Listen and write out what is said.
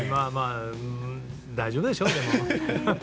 大丈夫でしょう、でも。